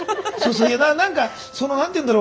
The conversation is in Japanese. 何かその何て言うんだろう